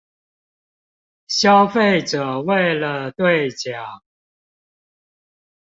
消費者為了對獎